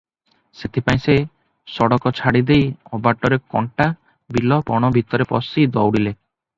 ସେଥିପାଇଁ ସେ ସଡ଼କ ଛାଡ଼ି ଦେଇ ଅବାଟରେ କଣ୍ଟା, ବିଲ, ବଣ ଭିତରେ ପଶି ଦଉଡ଼ିଲେ ।